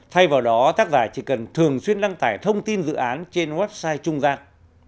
thay vào đó tác giả chỉ cần thường xuyên đăng tải thông tin dự án trên website trung gian